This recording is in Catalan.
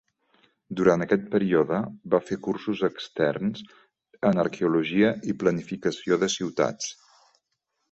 Durant aquest període, va fer cursos externs en Arqueologia i Planificació de ciutats.